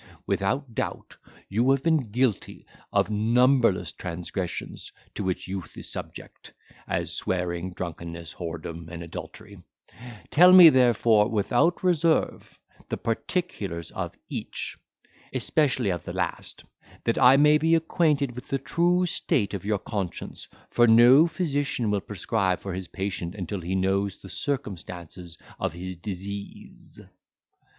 Without doubt, you have been guilty of numberless transgressions to which youth is subject, as swearing, drunkenness, whoredom, and adultery: tell me therefore, without reserve, the particulars of each, especially of the last, that I may be acquainted with the true state of your conscience; for no physician will prescribe for his patient until he knows the circumstances of his disease."